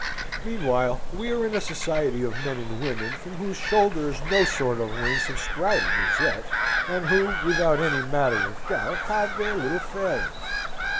Meanwhile we are in a society of men and women, from whose shoulders no sort of wings have sprouted as yet, and who, without any manner of doubt, have their little failings.